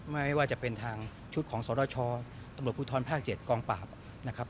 ไม่ว่าจะเป็นทางชุดของสรชตำรวจภูทรภาค๗กองปราบนะครับ